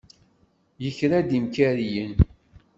Yekra-d imkariyen.